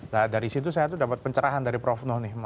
nah dari situ saya tuh dapat pencerahan dari prof noh nih